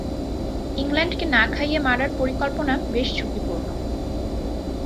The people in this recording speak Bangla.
ইংল্যান্ডকে না খাইয়ে মারার পরিকল্পনা বেশ ঝুঁকিপূর্ণ।